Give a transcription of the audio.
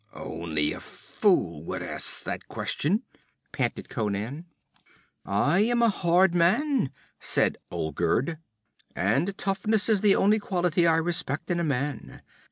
'Only a fool would ask that question,' panted Conan. 'I am a hard man,' said Olgerd, 'and toughness is the only quality I respect in a man.